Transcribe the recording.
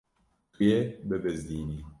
Tu yê bibizdînî.